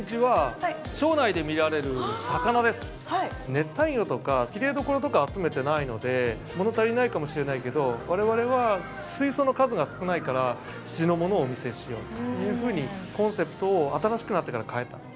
熱帯魚とかきれいどころとか集めてないのでもの足りないかもしれないけど我々は水槽の数が少ないから地のものをお見せしようというふうにコンセプトを新しくなってから変えた。